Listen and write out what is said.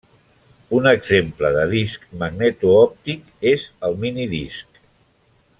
Un exemple de disc magnetoòptic és el minidisc.